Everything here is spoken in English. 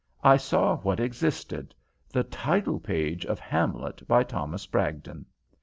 I saw what existed: the title page of Hamlet by Thomas Bragdon.